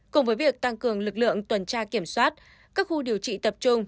cùng với việc tăng cường lực lượng tuần tra kiểm soát các khu điều trị tập trung